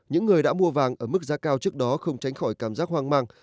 những người đã mua vàng ở mức giá cao trước đó không tránh khỏi cảm giác hoang mang